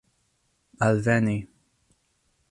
alveni